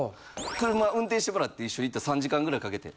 車運転してもらって一緒に行った３時間ぐらいかけて。